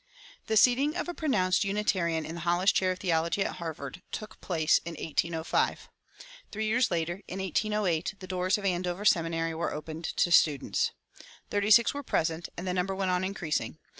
The seating of a pronounced Unitarian in the Hollis chair of theology at Harvard took place in 1805. Three years later, in 1808, the doors of Andover Seminary were opened to students. Thirty six were present, and the number went on increasing.